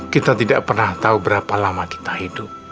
kita tidak pernah tahu berapa lama kita hidup